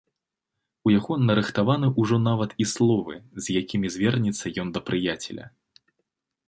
У яго нарыхтаваны ўжо нават і словы, з якімі звернецца ён да прыяцеля.